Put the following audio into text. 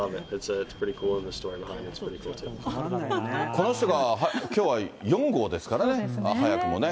この人がきょうは４号ですからね、早くもね。